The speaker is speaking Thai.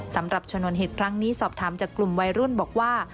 สำหรับชนวนเหตุครั้งนี้สอบถามจากกลุ่มวัยรุ่นบอกว่า